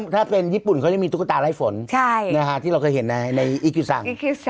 ถ้าเป็นญี่ปุ่นเขายังมีตุ๊กตาไร้ฝนที่เราเคยเห็นในอีคิวสัง